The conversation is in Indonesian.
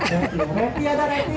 terima kasih ya